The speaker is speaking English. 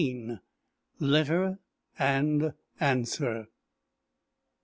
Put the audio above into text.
LETTER AND ANSWER.